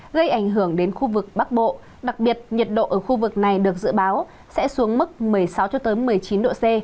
gây ảnh hưởng đến khu vực bắc bộ đặc biệt nhiệt độ ở khu vực này được dự báo sẽ xuống mức một mươi sáu một mươi chín độ c